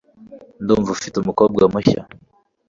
ndumva ufite umukobwa mushya